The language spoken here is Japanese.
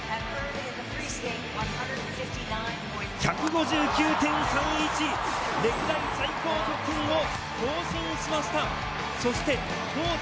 １５９．３１、歴代最高得点を更新しました。